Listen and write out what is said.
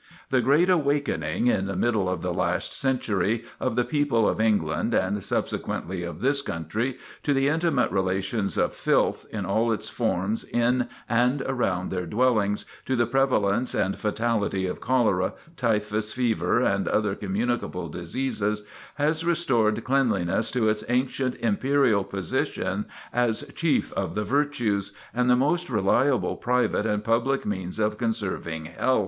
The Great Awakening, in the middle of the last century, of the people of England, and subsequently, of this country, to the intimate relations of filth, in all forms in and around their dwellings, to the prevalence and fatality of cholera, typhus fever, and other communicable diseases, has restored cleanliness to its ancient imperial position as chief of the virtues, and the most reliable private and public means of conserving health.